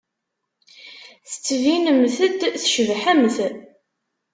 Tettbinemt-d tcebḥemt.